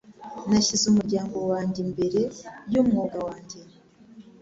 Nashyize umuryango wanjye imbere yumwuga wanjye.